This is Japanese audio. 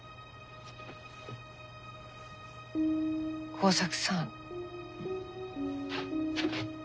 耕作さん。